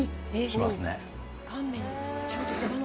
しますね。